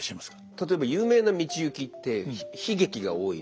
例えば有名な道行きって悲劇が多い。